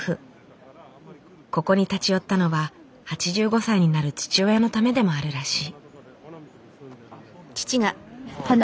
ここに立ち寄ったのは８５歳になる父親のためでもあるらしい。